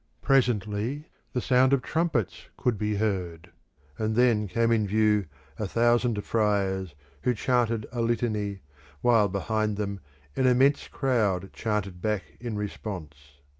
Presently the sound of trumpets could be heard; and then came in view a thousand friars, who chanted a litany, while behind them an immense crowd chanted back in response.